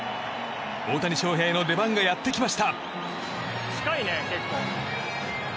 大谷翔平の出番がやってきました。